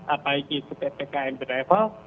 apalagi ppkm berlevel